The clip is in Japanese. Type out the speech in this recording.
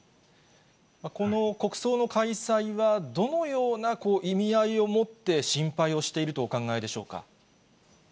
この国葬の開催は、どのような意味合いを持って、心配をしているとお考えでしょうか。